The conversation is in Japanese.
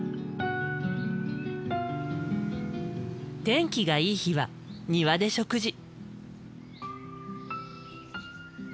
天気がいい日は庭で食事。